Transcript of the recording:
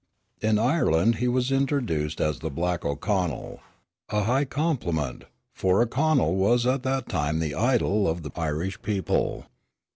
In Ireland he was introduced as "the black O'Connell," a high compliment; for O'Connell was at that time the idol of the Irish people.